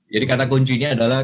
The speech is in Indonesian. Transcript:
jadi kata kuncinya adalah